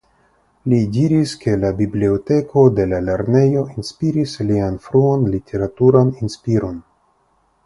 Li diris ke la biblioteko de la lernejo inspiris lian fruan literaturan inspiron.